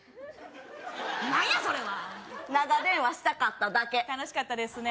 何やそれは長電話したかっただけ楽しかったですね